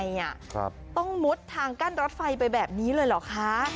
ต้องมุดทางกั้นรถไฟไปแบบนี้เลยเหรอคะ